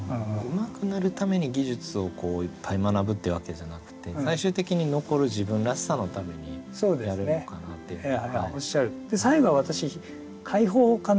うまくなるために技術をいっぱい学ぶってわけじゃなくて最終的に残る自分らしさのためにやるのかなっていうのが。